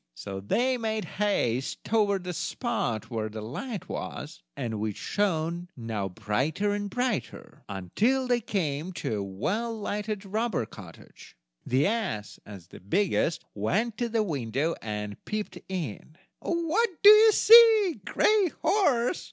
So they made haste toward the spot where the light was, and which shone now brighter and brighter, until they came to a well lighted robber's cottage. The ass, as the biggest, went to the window and peeped in. "What do you see, Gray horse?"